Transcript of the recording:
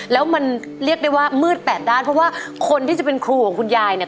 แล้วมันเรียกได้ว่ามืดแปดด้านเพราะว่าคนที่จะเป็นครูของคุณยายเนี่ย